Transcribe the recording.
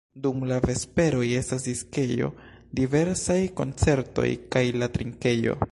Dum la vesperoj estas diskejo, diversaj koncertoj, kaj la trinkejo.